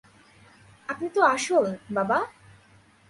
আপনি তো আসল, বাবা?